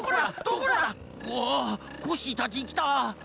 わあコッシーたちきた！